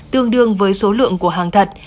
tương đương với số lượng của hàng thật